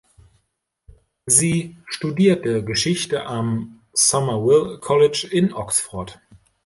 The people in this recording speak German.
Sie studierte Geschichte am Somerville College in Oxford.